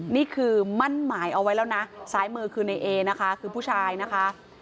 นี่คือมั่นหมายเอาไว้แล้วนะซ้ายมือคือในเอนะคะคือผู้ชายนะคะ